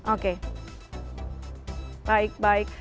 oke baik baik